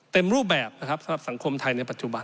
เต็มรูปแบบนะครับสำหรับสังคมไทยในปัจจุบัน